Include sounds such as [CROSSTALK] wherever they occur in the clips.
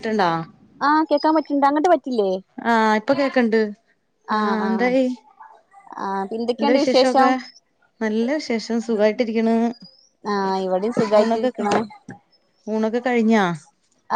ട്ടുണ്ടോ ആഹ് കേക്കാൻ പറ്റിണ്ട് അങ്ങട്ട് പറ്റില്ലേ? ആഹ് ഇപ്പൊ കേക്കണ്ട് ആഹ് എന്തായി? ആഹ് ന്താ പിന്തൊക്കെയുണ്ട് വിശേഷം വിശേഷൊക്കെ? നല്ല വിശേഷം സുഖായിട്ടിരിക്കണ്‌ ആഹ് ഇവിടിം ഊണൊക്കെ ക സുഖായിട്ടിരിക്ക്ണു ഊണൊക്കെ കഴിഞ്ഞോ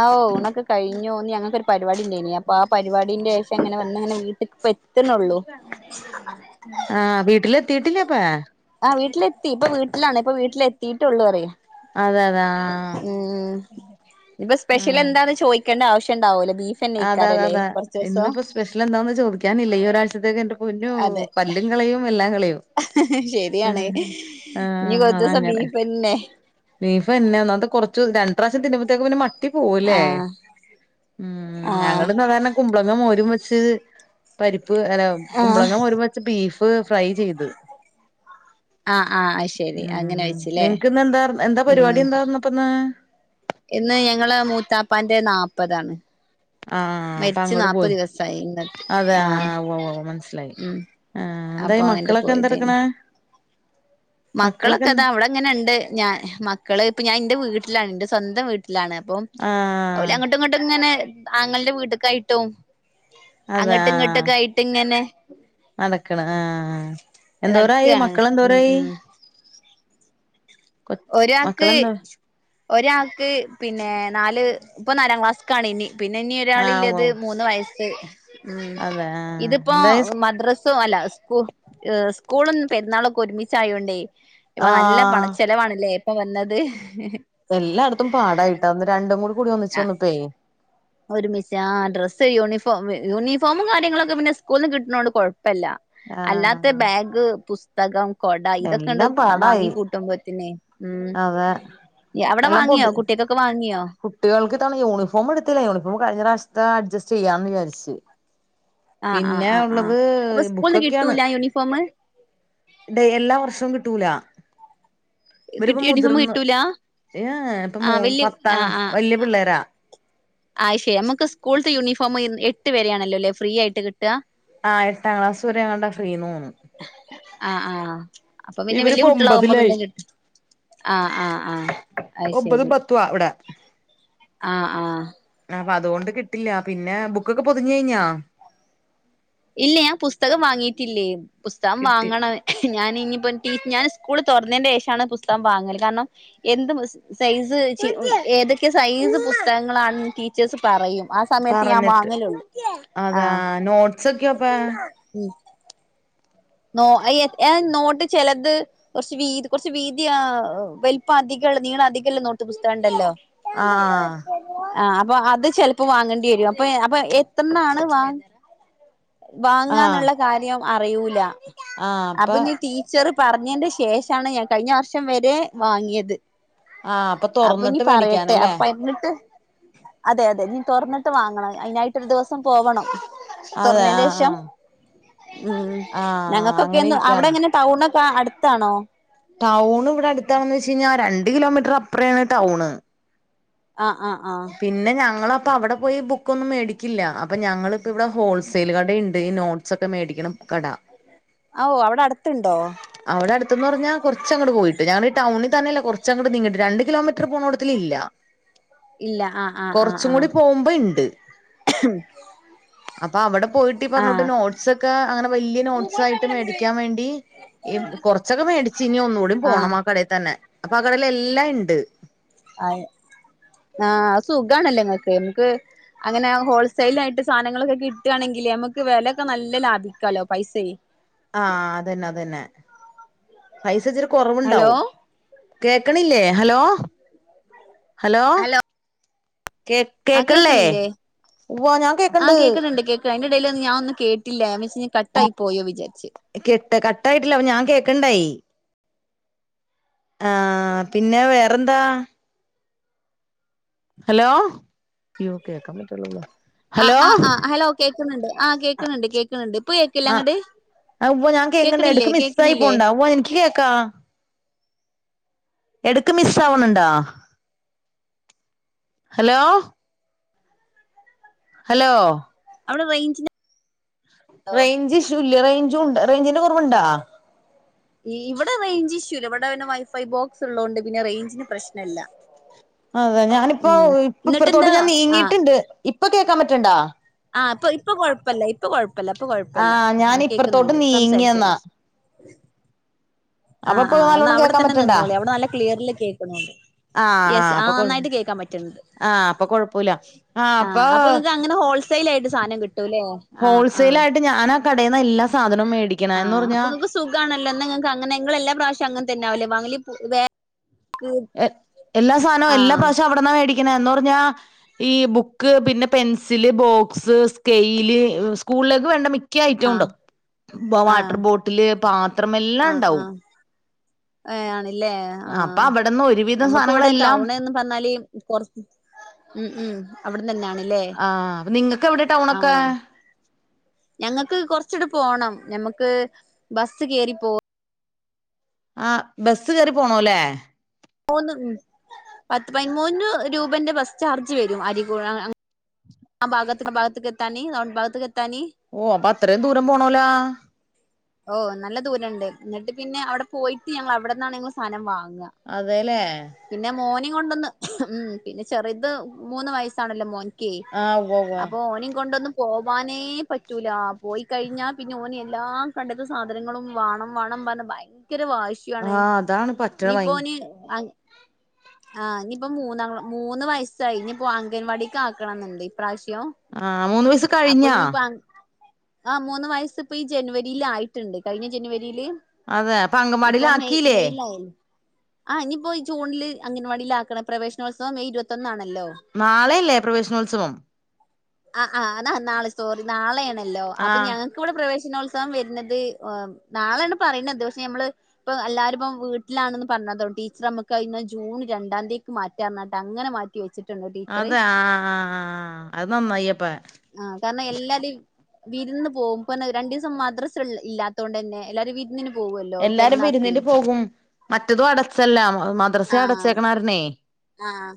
ആവു ഊണൊക്കെ കഴിഞ്ഞു ന്ന് ഞങ്ങക്ക് ഒരു പരിപാടി ഇണ്ടയ്നിം അപ്പൊ ആ പരിപാടീന്റെഷം ങ്ങനെ വന്ന്ങ്ങനെ വീട്ടിക്ക്പ്പ എത്തുന്നുള്ളൂ. ആഹ് വീട്ടിലെത്തിയിട്ടില്ലപ്പെ? ആഹ് വീട്ടിലത്തി ഇപ്പൊ വീട്ടിലാണ് ഇപ്പ വീട്ടിലെത്തിട്ടൊള്ളൂ പറയേ. അതെ അതെ ആഹ് ഉം ഇനിപ്പൊ സ്പെഷ്യൽ ആഹ് എന്താന്ന് ചോയ് ക്കേണ്ട ആവശ്യം ഉണ്ടാവുല്ല അതാ അതാ ബീഫ്ന്നെക്കാരല്ലേ അതാ കുറച്ചൂസം ഇന്നിപ്പോ സ്പെഷ്യൽ എന്താന്ന് ചോദിക്കാനില്ല ഈരാഴചത്തേക്ക് എന്റെ പൊന്നോ അതെ പല്ലും കളയും എല്ലാം കളയും. ശരിയാണ് ഇനി ആഹ് കൊറച്ചൂസം അതങ്ങനെ. ബീഫെന്നെ ബീഫന്നെ ഒന്നാമത് കൊറച്ച് രണ്ട് പ്രാവശ്യം തിന്നുമ്പത്തേക്ക്‌ പിന്നെ മട്ടി പോവുല്ലേ ആഹ് ഉം ഉം ആഹ് ഞങ്ങള് സാധാരണ കുമ്പളങ്ങ മോരും വെച്ച് പരിപ്പ് അല്ല ആഹ് കുമ്പളങ്ങ മോരും വച്ച് ബീഫ് ഫ്രൈ ചെയ്ത്. ആഹ് ആഹ് അയ്ശരി അങ്ങനെ ഉം വെച്ച്ല്ലേ നിനക്ക് ഇന്ന് എന്താ എന്താ ഉം പരിപാടി എന്താന്നപ്പന്ന്? ഇന്ന് ഞങ്ങളെ മൂത്താപ്പാന്റെ നാപ്പതാണ്. ആഹ് അപ്പൊ മരിച്ച അങ്ങോട്ട് നാല്പ്പ പോയി ദിവസായി ഇന്നത്തെ അതെ ആഹ് ഉവ്വ് ഉവ്വ് മനസ്സിലായി ഉം ആഹ് എന്തായി അപ്പങ്ങട്ട് മക്കളൊക്കെ പോയതേനി. എന്തെടുക്കണെ മക്കളൊക്കെ ഇതാ അവിടെങ്ങനെണ്ട് ഞാൻ മക്കള് ഇപ്പ ഞാൻ ഇന്റെ വീട്ടിലാണ് ഇന്റെ സ്വന്തം വീട്ട ട്ടിലാണ് അപ്പം ഓല് ആഹ് അങ്ങോട്ടും ഇങ്ങോട്ടും ഇങ്ങനെ അങ്ങളന്റെ വീട്ട് ക്കായിട്ടും അതെ അങ്ങട്ട് ആഹ് ഇങ്ങട്ടൊക്കെ ആയിട്ട് ഇങ്ങനെ നടക്കണ് ആഹ് എന്തോരയി നടക്കാണ് മക്കള് ഉം എന്തോരായി? ഉം കൊ ഒരാൾക്ക് മക്കളെന്തോ ഒരാൾക്ക് പിന്നെ നാല് ഇപ്പൊ നാലാം ക്ലാസ്ക്കാണ് ഇനി. പിന്നെ ഇനി ആഹ് ഉവ്വ് ഒരാളില്ലത് ഉവ്വ് മൂന്ന് വയസ്സ് ഉം അതെ ആഹ് ഇതിപ്പോ എന്തായി മദ്രസ് സോ അല്ല സ്കൂ ഏഹ് സ്കൂളും പെരുന്നാളൊക്കെ ഒരുമിച്ചായൊണ്ടേ ഇപ്പ നല്ല പണ ആഹ് ചെലവാണല്ലേ ഇപ്പൊ വന്നത്. എല്ലാടത്തും പാടായിട്ട അന്ന് രണ്ടും കൂടി കൂടി ഒന്നിച്ചു ആ വന്നപ്പയേ ഒരുമിച്ച് ആ ഡ്രസ്സ് യൂണിഫോം യൂണിഫോമും കാര്യങ്ങളൊക്കെ പിന്നെ സ്കൂൾന്ന് കിട്ടുന്നോണ്ട് കുഴപ്പല്ല. അല്ലാത്ത ആഹ് ബാഗ്, പുസ്തകം, കൊട ഇതൊക്കെണ്ട് എല്ലാം പാടായി വാങ്ങിക്കൂട്ടുമ്പോത്തനെ. ഉം അതെ എ അവിടെ വാങ്ങിയോ കുട്ടികക്കൊക്കെ വാങ്ങിയോ? കുട്ടികൾക്കി തവണ യൂണിഫോം എടുത്തില്ലേ യൂണിഫോം കഴിഞ്ഞ പ്രാവശ്യത്തെ അഡ്ജസ്റ്റ് ചെയ്യാന്നു വിചാരിച്ച് ആഹ് പിന്നെ ഉള്ളത് ബുക്കൊക്കെയാണ് യൂനിഫോമ് ടെ എല്ലാ വർഷവും കിട്ടൂല ഇവരിപ്പ യൂണിഫോം മുതിർന്ന കിട്ടൂല ഏഹ് ഏ ഇപ്പൊ മൂ ആഹ് വല്യ പത്താം ക്ലാസ് വലിയ പിള്ളേരാ അയ് ശരി നമുക്ക് സ്കൂൾത്തെ യൂണിഫോം എട്ട് വരെയാണല്ലോ അല്ലെ ഫ്രീ ആയിട്ട് കിട്ടാ ആഹ് എട്ടാംക്ലാസ് വരെ അങ്ങാണ്ടാ ഫ്രീന്ന്‌ തോന്നണു ആഹ് ആഹ് അപ്പൊ പിന്നെ വല്യ ഇവരിപ്പോ കുട്ടികളാകുമ്പോ ഒമ്പതിലായി പിന്നെ കിട്ടും ആഹ് ആഹ് ആഹ് അഹ് ശരി [UNINTELLIGIBLE] അവിടെ ആഹ് ആഹ് ആഹ് അപ്പൊ അതുകൊണ്ട് കിട്ടില്ല പിന്നെ ബുക്കൊക്കെ പൊതിഞ്ഞ് കഴിഞ്ഞോ ഇല്ല ഞാൻ പുസ്തകം വാങ്ങീട്ടില്ലേ പുസ്തകം കിട്ടി വാങ്ങണം ഞാൻ ഇനിയിപ്പ ടീ ഞാൻ സ്കൂള് തുറന്നതിന്റെ ശേഷാണ് പുസ്തകം വാങ്ങല് കാരണം എന്ത് സൈസ് ഏതൊക്കെ സൈസ് പുസ്തകങ്ങളാണെന്ന് ടീച്ചേഴ്സ് പറയും ആ സമയത്ത് ഞാൻ പറഞ്ഞിട്ട് വാങ്ങലുള്ളൂ അതാ ആഹ് [UNINTELLIGIBLE] ഉം നോ ഏയ്‌ ഏഹ് നോട്ട് ചെലത് കൊറച്ച് വീതി കുറച്ച് വീതി ആഹ് വലിപ്പം അധികള്ള നീളം അധികം ഇല്ലെ നോട്ട് പുസ്തകം ഉണ്ടല്ലോ ആഹ് [UNINTELLIGIBLE] ആഹ് അപ്പൊ അത് ചെൽപ്പൊ വാങ്ങണ്ട്യേരും അപൊ അപൊ എത്തര്നാണ് വാ ആഹ് വാങ്ങാന്ന്ള്ള കാര്യം അറിയൂല ആഹ് അപ്പ അപ്പൊഞി തീ ച്ചറ് പറഞ്ഞീന്റെ ശേഷാണ് ഞാ കഴിഞ്ഞ വർഷം വെരേ വാങ്ങ്യത് ആഹ് അപ്പൊ അപ്പൊഞി തൊറന്നിട്ട് പറയട്ടെ മേടിക്കാനല്ലേ അപ്പൊ എന്നിട്ട് അതെ അതെ നീ തൊറന്നിട്ട് വാങ്ങണം അതിനായിട്ടൊരു ദിവസം പോവണം അതെ ആഹ് തുറന്നേന്റേശം ആഹ് ഉം ആഹ് ആഹ് അങ്ങനെ ഞങ്ങൾക്കൊക്കേന്ന് അവടെ ഇരിക്കാണ് എങ്ങനെ ടൗണൊക്ക അട്ത്താണൊ ടൗൺ ഇവടെ അട്ത്താണോയ്ച്ച് കഴിഞ്ഞ രണ്ട് കിലോമീറ്റർ അപ്പ്രയാണ് ടൗണ് ആഹ് ആഹ് ആഹ് പിന്നെ ഞങ്ങള ഇപ്പ അവടെ പോയി ബുക്കൊന്നും മേടിക്കില്ല അപ്പ ഞങ്ങളിപ്പൊ ഇവടെ ഹോൾസെയിൽ കടയ്ണ്ട് ഈ നോട്ട്സൊക്ക മേടിക്ക്യണ കട അവ് അവടെ അടുത്ത്ണ്ടോ അവിടെ അടുത്ത്ന്ന് പർഞ്ഞ കൊറ്ച്ച് അങ്ങ്ട് പോയിട്ട് ഞങ്ങള് ടൗണി തന്നെല്ല കൊറ്ച്ച അങ്ങ്ട് നീങ്ങിട്ട് രണ്ട് കിലോമീറ്റ്ർ പോണൊടത്തിലില്ല ഇല്ല ആഹ് ആഹ് കൊറ്ച്ചും കുടി പോവുമ്പൊ ഇണ്ട് ഉം അപ്പ അവട പോയിട്ട് പറഞ്ഞോണ്ട് നോട്ട്സ് ഒക്ക അങ്ങനെ വല്യ നോട്ട്സായിട്ട് മേടിക്കാൻ വേണ്ടി ഈ കൊറ്ച്ചൊക്കെ മേടിച്ച് ഇനി ഒന്നൂടി പോണം ആഹ് കടയി തന്നെ അപ്പൊ ആഹ് കടയില് എല്ലാ ഇണ്ട് ആഹ് സുഖാണല്ലെ ഇങ്ങക്ക് ഇൻക് അങ്ങനെ ഹോൾസെയിലായിട്ട് സാധനങ്ങളൊക്ക കിട്ടാണെങ്കില് നമക്ക് വെലക്കെ നല്ല ലാഭിക്കാലൊ പൈസെ ആഹ് അതന്നെ അതന്നെ പൈസ ഇച്ചിരി ഹലോ കൊറവ്ണ്ടാവും കേക്ക്ണില്ലേ ഹലോ ഹലോ കേ ആഹ് കേക്ക്ൺലേ കേക്കണില്ലേ ഉവ്വ ഞാ കേക്ക്ൺണ്ട് അഴിന്റടേല് ഞാ ഒന്നും കേട്ടില്ല [UNINTELLIGIBLE] കട്ടായി പോയോ വിചാരിച്ച് കെട്ട് കട്ടായിട്ടില്ല ഞാൻ കേക്ക്ൺണ്ടെയ് ആഹ് പിന്നെ വേറെന്താ ഹലോ യോ കേക്കാ പറ്റ്ണില്ലല്ലൊ. ആഹ് ആഹ് ആഹ് ഹലോ കേക്ക്ന്ന്ണ്ട് ആഹ് കേക്ക്ന്ന്ണ്ട് കേക്കുണ് ണ്ട് ഇപ്പൊ കേക്കില്ലെ അങ്ങ്ട്ട്? അവ്വ ഞാൻ കേക്കണ്ട എടക്ക് മിസ്സായി പോണ്ട അവ്വ എനിക്ക് കേക്ക എടക്ക് മിസ്സ് ആവണ് ണ്ടോ ഹലോ? ഹലോ അവടെ റെയ്ഞ്ച്‌ന്റ റെയ്ഞ്ച് ഇഷ്യുല്ല റേഞ്ച് ഉണ്ട റെയ്ഞ്ചിന്റെ കൊറവ്ണ്ടാ? ഈ ഇവിടെ റേഞ്ച് ഇഷ്യൂ ഇല്ല ഇവടെ വൈഫൈ ബോക്സ് ഉള്ളോണ്ടെ പിന്നെ റെയ്ഞ്ച് പ്രശ്നല്ല. അതെ ഞാനിപ്പോ ഉം ഇപ്പ ഇപ്പർത്തോട്ട് എന്നിട്ടെന്താ ഞാ ആഹ് നീങ്ങീട്ട്ണ്ട് ഇപ്പൊ കേക്കാൻ പറ്റ്ണ്ടാ? ആഹ് ഇപ്പൊ ഇപ്പൊ കൊഴപ്പല്ല ഇപ്പൊ കൊഴപ്പല്ല ഇപ്പ കൊഴപ്പില്ല ഞാൻ ആഹ് ഇപ്പറത്തോട്ട് കേക്ക്ന്ന്ണ്ട് നീങ്ങിയെന്നാ സംസാരിച്ചോളി. അപ്പൊ ആഹ് ഇപ്പൊ ആഹ് ഇന്ന നല്ലോണം അവടെ കേക്കാൻ തന്നെ പറ്റണ്ടാ നിന്നോളി അവടെ നല്ല ക്ലിയറ്ൽ കേക്ക്ണ് ണ്ട്. ആഹ് യെസ് അപ്പൊ ആഹ് കൊഴ നന്നായിട്ട് കേക്കാൻ പറ്റ്ണ് ണ്ട്. ആഹ് ഇപ്പൊ കൊഴപ്പല ആഹ് ഇപ്പോ സൈലായിട്ട് സാനം കിട്ടൂലേ ഹോൾസെൽ ആയിട്ട് ഞാൻ ആഹ് കടയ്ന്ന് എല്ലാ സാധനവും വേ ആഹ് അപ്പൊ ഇങ്ങക്ക് സുഖാണല്ലൊ ഇന്നങ്ങക്ക് അങ്ങനെ ഇങ്ങളെല്ല പ്രാവശ്യൊ അങ്ങൻ തന്നാവുലെ വാങ്ങ എഹ് എല്ലാ സാനു എല്ലാ ആഹ് പ്രാവശ്യം അവിട്ന്നാ മേടിക്കന് എന്നൊർഞ്ഞാ ഈ ബുക്ക് പിന്നെ പെൻസില് ബോക്സ് സ്കെയ്ല് സ്കൂൾലേക്ക് വേണ്ട മി ക്യ ഐറ്റൊണ്ട് വവാട്ടർ ആഹ് ബോട്ടില് പാ ആഹ് ആഹ് ഏഹ് ആണ്ല്ലേ അപ്പൊ ആഹ് അവിടെന്ന് ഒരുവിധം ഞമ്മക്ക് വടെ സാധനങ്ങളെല്ലാം ടൗണ് പർഞ്ഞാല് പൊർ ഉം ഉം അവ്ട്ന്നന്നാണ് ആ അപ്പൊ നിങ്ങൾക്ക് എവിടെ ടൗണൊക്കെ? ഞ്ഞങ്ങക് കൊറച്ചിടെ പോണം ഞമ്മക്ക് ബസ് കേറിപ്പോ ആ ബസ് കയറി പോണല്ലേ? മൂന്ന് ഉ പത്ത്പതിമൂന്ന് രൂപന്റെ ബസ് ചാർജ് വരും. അരികു ആ ഭഗത്ത് ഭാഗത്തക്ക് എത്താന് ടൌൺ ഭഗത്തക്ക് എത്താന്. ഓ അപ്പൊ അത്രയും ദൂരം പോണല. ഓ നല്ല ദൂരംണ്ട് ന്നിട്ട് പിന്നെ അവിടെ പോയിട്ട് ഞങ്ങൾ അവിടെന്നാണ് സാനം വാങ്ങ. അതെല്ലേ? പിന്നെ മോന കൊണ്ടൊന്ന് ഉ പിന്നെ ചെറുത് മൂന്ന് വയസ്സാണല്ലോ മോൻ. ക്കെ ആ ഉവ്വ ഉവ്വ അപ്പൊ ഓനിം കൊണ്ടൊന്നും. പോവാനേ പറ്റൂല പോയി കഴിഞ്ഞാ പിന്നെ ഓനിയെല്ലാം. കണ്ടത്ത സാധനങ്ങളും വാണം വാണം പറഞ്ഞ്. ഭയങ്കര വാശി ആ അതാണ് പറ്റണ വ [INAUDIBLE] [INAUDIBLE] ആ ഇനിയിപ്പോ മൂന്ന മൂന്ന് വയസ്സായി ഇനിയിപ്പോ അംഗൻവാടിക്ക് ആക്കണം ന്നുണ്ട് ഇപ്രാവശ്യം. ആ മൂന്ന് വയസ്സ് കഴിഞ്ഞാ അപ്പൊനി പ ആ മൂന്ന് വയസ്സ് ഇപ്പ ഈ ജനുവ രിലയിട്ടുണ്ട് കഴിഞ്ഞ ജനുവരിയില്. അതെ അപ്പ അങ്കമാടിൽ ഇപ്പൊ മെയ് ആക്കില്ലേ? മെയിലായല്ലോ ആ ഇനിപ്പോ ഈ ജൂണില് അംഗൻവാടിൽ ആക്കണം. പ്രവേശനോത്സവം മെയ് ഇരുപത്തൊന്നാണല്ലോ. നാളെയല്ലേ പ്രവേശനോത്സവം? ആ ആ നാളെ സോറി നാളെയാണല്ലോ അപ്പൊ ആ ഞ കൂടെ പ്രവേശനോത്സവം വരുന്നത് നാളാണ് പറയണത്ത്. പക്ഷെ നമ്മള്ത് ഇപ്പൊ എല്ലാരുംപ്പം വീട്ടിലാണെന്ന് പറഞ്ഞതോ ടീച്ചർ നമ്മുക്ക് അത് ജൂൺ രണ്ടാം തീക്ക് മാറ്റാറഞ്ഞ കേട്ട് അങ്ങനെ മാ [UNINTELLIGIBLE] അതെ ആ ആ അത് നാന്നയ്യിപ്പം. ആ കാരണം എല്ലടിം. വിരുന്ന് പോകും പ്പന്നെ രണ്ട് ദിവസം മദ്രസ ഇല്ലത്ത കൊണ്ട് തന്നെ എല്ലാരും വിരിന്നിന് പോ എല്ലാരും വിരുന്നിന് പോകും. മറ്റതും അടച്ചല്ല മദ്രസ ആഹ് അടച്ചേക്കണാരണെ ആഹ്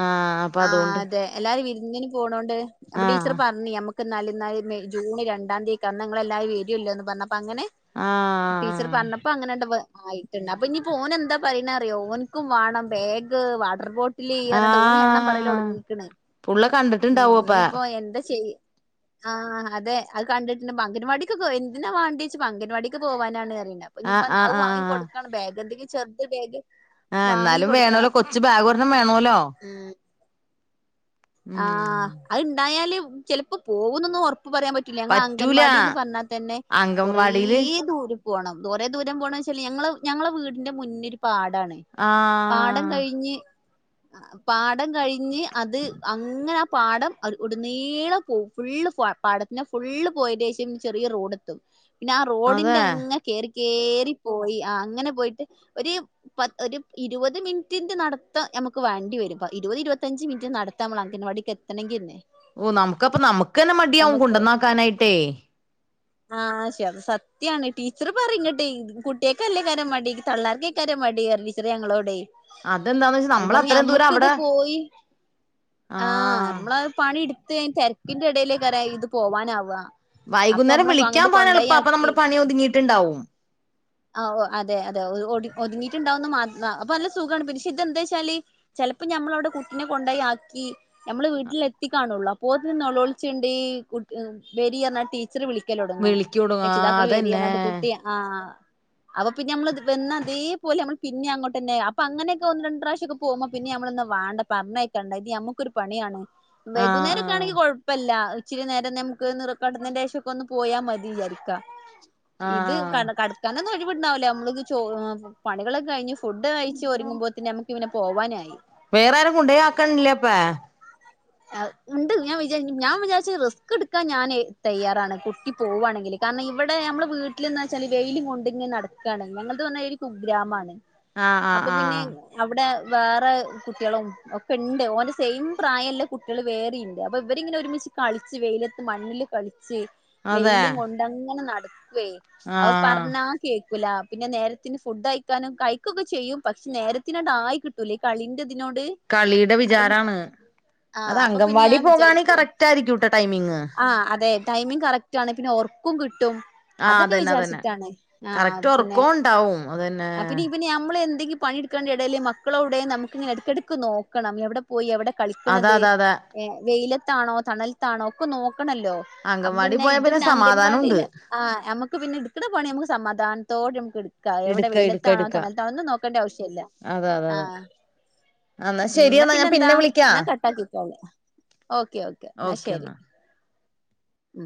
ആഹ് ആഹ് അതെ എല്ലാരും വിരുന്നിന് പോണോണ്ട് അപ്പൊ ആ ടീച്ചർ പറഞ്ഞി. നമ്മക്ക് ക്ക്‌ ന്നാൽ ന്നാൽ മെയ് ജൂൺ രണ്ടാ ന്ത്യേക്കന്നങ്ങൾ എല്ലാവരും വരില്ലോന്ന് പറഞ്ഞപ്പ അങ്ങനെ ആ ടീച്ചർ പറഞ്ഞ പ്പൊ അങ്ങനെ ഇണ്ട് പ്പോ ആയിട്ടുണ്ട് അപ്പൊ ഇനിയിപ്പോ ഓൻ എന്താ പറയണ അറിയോ ഓൻക്കും വേണം ബാഗ് വാട്ടർ ബോട്ടിൽ ട്ടില് ആ പറഞ്ഞിട്ട് ഓന് എണ്ണം പറയലോടങ്ങീക്കണ് പുള്ള ഉം കണ്ടിട്ടുണ്ടാവോപ്പ ഇനിയിപ്പോ എന്താ ചെയ്യ ആഹ് അതെ അത് കണ്ടിട്ടുണ്ട് അംഗൻവാടിക്കൊക്കെ എന്തിനാ വാണ്ടിയ്ചപ്പോ അംഗൻവാടിക്ക് പോവാനാണ്. പ്പ ആ ഇനിപ്പന്താ ആ അത് ആ വാങ്ങി കൊടുക്കാണ്. ബാഗ് എന്തെങ്കിലും ചെറുത് ബാഗ്. ആഹ് വാങ്ങി എന്നാലും കൊടുക്കണം. വേണല്ലോ കൊച്ചു ബാഗൊരണ്ണം. വേണലോ? ഉം ആഹ് അത്ണ്ടായാല് ചിലപ്പോ പോകുന്നോന്നും ഉറപ്പ് പറയാൻ പറ്റുല ഞങ്ങളെ പറ്റൂല അംഗൻവാടിന്ന് പറഞ്ഞാൽ തന്നെ കൊറ അംഗൻവാടിയില് ദൂരം. പോണം കൊറെ ദൂരം പോണം വെച്ചാല് ഞങ്ങള് ഞങ്ങളെ വീടിന്റെ മുന്നിലോരു പാടാണ്. ആ പാടം കഴിഞ്ഞ് പാടം കഴിഞ്ഞ് അത്. അങ്ങനെ ആ പാടം ഉടനീളം പോവും ഫുള്ള് പാടത്തിനെ ഫുള്ള് പോയേൻറെ ശേഷം ചെറിയ റോഡ്. ത്തും പിന്നെ ആ റോഡിന്റെ അതെ അങ്ങ കേറി കേറി പോയി ആ അങ്ങനെ പോയിട്ട്. ഒരു പത്ത് ഒരു ഇരുപത് മിനിറ്റിന്റെ നടത്തം നമുക്ക് വേണ്ടി വരും. പ്പ ഇരുപത് ഇരുപത്തഞ്ച് മിനിറ്റ് നട അംഗണവാടിക്ക് എത്ത്ണങ്കിയെന്നെ. ഓ നമുക്കപ്പൊ നമുക്ക് തന്നെ മടിയാവും കൊണ്ടന്നാക്കാനായിട്ടേ? ആഹ് ശെ അത് സത്യാണ് ടീച്ചറ് പറിങ്ങട്ട് കുട്ട്യാക്കെല്ലേകാരം മടി ഇത് തള്ളാർക്കെ ങ്കര മടി ആയിരുന്നു ടീച്ചറേ ഞങ്ങളോടെ അതെന്താന്ന് വെച്ചാ നമ്മൾ കാരണം അത്രയും ദൂരം ഞമ്മുക്കിത് അവിടെ പോയി. ആഹ് ആ നമ്മളഅ് പണി എടുത്ത് അയിന്റെ തിരക്കിന്റെ ഇടയിലേക്കാരം ഇത് പോവാനാവാ. അപ്പൊ വൈകുന്നേരം നമ്മള് വിളിക്കാൻ അങ്ങട്ട് പോആൻ കൊണ്ടോയി എളുപ്പ അപ്പൊ ആക്കി നമ്മുടെ പണി ഒതുങ്ങിയിട്ടുണ്ടാവും. ആ ഓഹ് അതെ അതെ ഒട് ഒതുങ്ങിട്ടുണ്ടാവന്ന് മാത്രം അപ്പൊ നല്ല സുഖാണ് പിനിഷെ ഇതെന്താച്ചാല് ചിലപ്പോം ഞമ്മളവിടെ കുട്ടിനെ കൊണ്ടോയി ആ ക്കി ഞമ്മള് വീട്ടിലെത്തി കാണുള്ളു അപ്പോത്തിന് നെളോളിച്ണ്ട് കുട് വെരിഅറിഞ്ഞട്ടി ചർ വിളിക്കലൊടങ്ങും വിളിക്കൂട ആ രക്ഷിതാക്കൾ വരി അതന്നെ അർഞ്ഞട്ട് കുട്ടിയ ആഹ് അപ്പൊ പിന്നെ നമ്മൾ ത് വന്നതേ പോലെ നമ്മൾ പിന്നേം അങ്ങോട്ടന്ന അപ്പൊ അങ്ങനൊക്കെ ഒന്ന് രണ്ട് പ്രാവശ്യ ഒക്കെ പോകുമ്പോ പിന്ന നമ്മള് ന്നാ വാണ്ട പറഞ്ഞയക്കണ്ട യമുക്കൊരു പണിയാണ് ആ ആ വൈകുന്നേരൊക്കെണെങ്കിൽ കുഴപ്പല്ല ഇച്ചിരി നേരം നമക്ക് ന്ന്റ് കടന്നേന്റെഷം ക്കൊന്ന് പോയാ മതി യാരിക്കാ ആ ഇത് കട കട കാനൊന്നും ഒഴിവിണ്ടാവ് ല്ല യമ്ൾക്ക് ചോ പണികളൊക്കെഴിഞ്ഞ് ഫുഡ് കഴിച്ച് ഒരുങ്ങ്പോത്തിന് നമു ക്ക് പിനെ പോവാനായി വേറെ ആരും കൊണ്ടോയി ആക്കൺല്ലേപ്പാ ആഹ് ഉണ്ട് ഞാൻ വിചാരി ഞാൻ വിചാരിച്ചത് റിസ്ക് എടുക്കാൻ ഞാന് തയ്യാറാണ് കുട്ടി പോവാണെങ്കില് കാരണം ഇവിടെ നമ്മൾ വീട്ടിലന്നാച്ചാല് വെയിലും കൊണ്ടിങ്ങനെ നടക്കാണ് ഞങ്ങളത് പറഞ്ഞാ ഒരു കുഗ്രാമാണ് ആ ആ അപ്പൊ ആ പിന്നെ അവിടെ വേറെ കുട്ട്യാളും ഒക്കെണ്ട് ഓന്റെ സെയിം പ്രായംല്ല കുട്ട്യള് വേറേംണ്ട് അപ്പൊ ഇവരിങ്ങനെ ഒരുമിച്ച് കളിച്ച് വെയിലത്ത് മണ്ണിൽ കളിച്ച് അതെ വെയിലും കൊ ങ്ങനെ നടക്കുവേ ആ അഹ് പർഞ്ഞ കേക്കൂല പിന്നെ നേരത്തിന് ഫുഡയ്ക്കാനും കഴിക്കൊക്കെ ചെയ്യും പക്ഷെ നേരത്തിനട് ആയി കി ട്ടൂല ഈ കളിന്റെതിനോട് കളിയുടെ വിചാരാണ് ആ അത് അപ്പൊ പിന്നെ അങ്കൻവാടി ഞാൻ പോകാണെങ്കി കറക്റ്റായിരിക്കുംട്ടോ ടൈമിങ് ആഹ് അതെ ടൈമിങ് കറക്റ്റ് ആണ് പിന്നെ ഒർക്കും കിട്ടും ആ അതൊക്കെ അതന്നെ അതന്നെ വിചാരിച്ചിട്ടാണ് ആഹ് കറക്റ്റ് പിന്നെ ഉറക്കോം ഉണ്ടാവും അതന്നെ പിന്നെ ഇവനമ്മള് എന്തെങ്കി പണിയെടുക്കേന്റെടേൽ മക്കളോവിടെ നമുക്കിങ്ങനെ ഇടക്കടക്ക് നോക്കണം എവിടെ പോയി എവിടെ അതെ കളിക്കണത് അതെ അതെ ഏഹ് വെയിലത്താണോ തണലത്താണോ ഒക്കെ നോക്കണല്ലോ അപ്പൊ അംഗൻവാടി പിന്നെ പോയാ ഇത് പിന്നെ സമാധാനം അംഗൻവാടിയിൽ ഉണ്ട് ആഹ് നമുക്ക് പിന്നെ എടുക്കണ പണി നമക്ക് സമാധാനത്തോടെ നമുക്ക്ട് ക്കാ എവിടെ എടുക്ക എടുക്ക വെയിലത്താണോ എടുക്ക തണലത്താണോന്നും നോക്കേണ്ട ആവശ്യല്ല അതെ അതെ അതെ ആഹ് ന്നാ ശരി എന്നാ ഞാൻ പിന്നെ വിളിക്കാ ട്ടാക്കിക്കോളീ ഓക്കെ ഓക്കെ ന്നാ ശരി ഉം